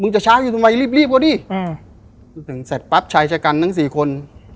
จะช้าอยู่ทำไมรีบรีบก็ดิอืมถึงเสร็จปั๊บชายชะกันทั้งสี่คน